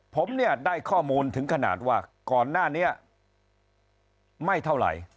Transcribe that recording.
ผมเนี่ยได้ข้อมูลถึงขนาดว่าก่อนหน้านี้ไม่เท่าไหร่